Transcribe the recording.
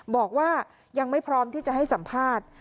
บอกว่ายังไม่พร้อมที่จะให้สัมภาษณ์